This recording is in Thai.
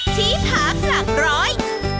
ที่พักหลักร้อย